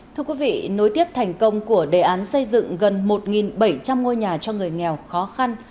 thưa quý vị nối tiếp thành công của đề án xây dựng gần một bảy trăm linh ngôi nhà cho người nghèo khó khăn